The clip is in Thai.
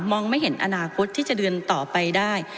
ไม่เห็นอนาคตที่จะเดินต่อไปได้